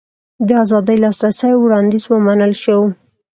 د ازاد لاسرسي وړاندیز ومنل شو.